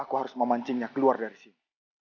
aku harus memancingnya keluar dari sini